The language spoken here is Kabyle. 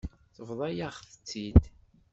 Tebḍa-yaɣ-tt-id.